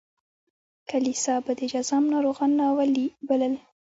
کلیسا به د جذام ناروغان ناولي بلل.